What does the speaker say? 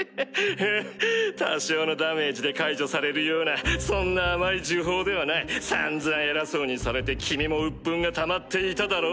多少のダメージで解除されるようなそんな甘い呪法ではない散々偉そうにされて君も鬱憤がたまっていただろう？